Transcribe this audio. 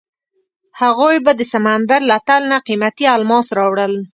هغوی به د سمندر له تل نه قیمتي الماس راوړل.